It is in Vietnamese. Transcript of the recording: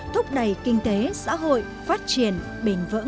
thúc đẩy kinh tế xã hội phát triển bền vững